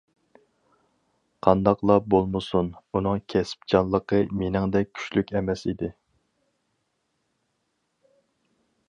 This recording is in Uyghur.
قانداقلا بولمىسۇن، ئۇنىڭ كەسىپچانلىقى مېنىڭدەك كۈچلۈك ئەمەس ئىدى.